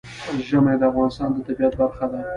ژمی د افغانستان د طبیعت برخه ده.